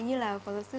như là phó giáo sư